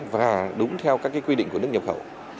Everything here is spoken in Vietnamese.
và đúng theo các quy định của nước nhập khẩu